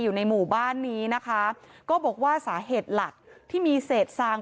อยู่ในหมู่บ้านนี้นะคะก็บอกว่าสาเหตุหลักที่มีเศษซาง